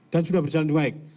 dan sudah berjalan dengan baik